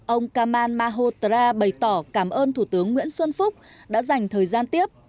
ông kamal mahotara bày tỏ cảm ơn thủ tướng nguyễn xuân phúc đã dành thời gian tiếp